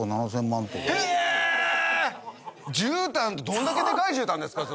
じゅうたんどんだけでかいじゅうたんですか？